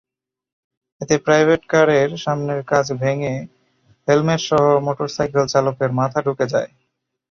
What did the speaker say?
এতে প্রাইভেট কারের সামনের কাচ ভেঙে হেলমেটসহ মোটরসাইকেল চালকের মাথা ঢুকে যায়।